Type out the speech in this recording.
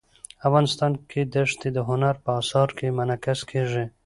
افغانستان کې دښتې د هنر په اثار کې منعکس کېږي.